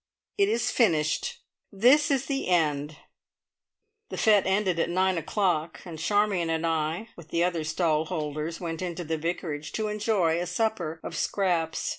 It is finished. This is the end. The fete ended at nine o'clock, and Charmion and I, with the other stall holders, went into the vicarage to enjoy a supper of scraps.